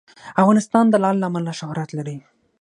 افغانستان د لعل له امله شهرت لري.